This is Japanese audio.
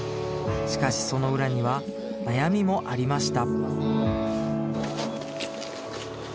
しかしその裏には悩みもありました